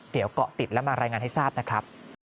เดี๋ยวเกาะติดและมารายงานให้ทราบนะครับ